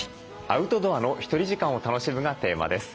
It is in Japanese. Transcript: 「アウトドアのひとり時間を楽しむ」がテーマです。